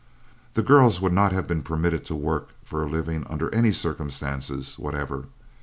The girls would not have been permitted to work for a living under any circumstances whatever.